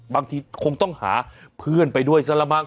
บางทีคงต้องหาเพื่อนไปด้วยซะละมั้